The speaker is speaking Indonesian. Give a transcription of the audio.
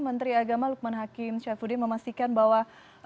menteri agama lukman hakim syafuddin memastikan bahwa